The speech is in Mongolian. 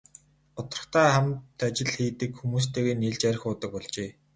Гутрахдаа хамт ажил хийдэг хүмүүстэйгээ нийлж архи уудаг болжээ.